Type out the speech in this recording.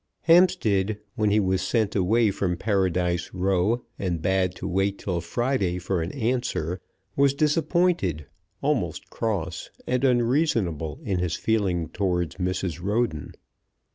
Hampstead, when he was sent away from Paradise Row, and bade to wait till Friday for an answer, was disappointed, almost cross, and unreasonable in his feelings towards Mrs. Roden.